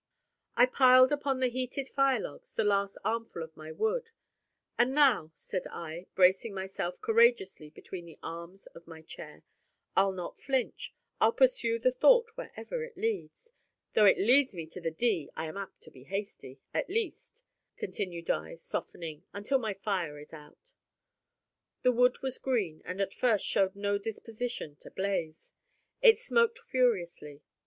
I piled upon the heated fire dogs the last armful of my wood; "and now," said I, bracing myself courageously between the arms of my chair, "I'll not flinch; I'll pursue the thought wherever it leads, though it leads me to the d (I am apt to be hasty) at least," continued I, softening, "until my fire is out." The wood was green, and at first showed no disposition to blaze. It smoked furiously.